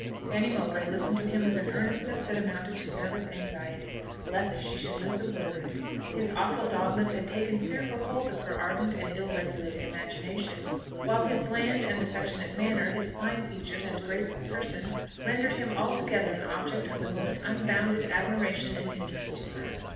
Fanny Mowbray listened to him with an earnestness that amounted to nervous anxiety, lest she should lose a word. His awful dogmas had taken fearful hold of her ardent and ill regulated imagination; while his bland and affectionate manner, his fine features and graceful person, rendered him altogether an object of the most unbounded admiration and interest to her.